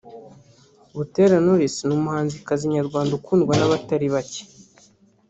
Butera Knowless ni umuhanzikazi nyarwanda ukundwa n’abatari bacye